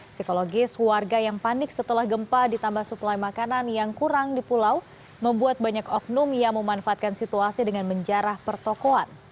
psikologis warga yang panik setelah gempa ditambah suplai makanan yang kurang di pulau membuat banyak oknum yang memanfaatkan situasi dengan menjarah pertokoan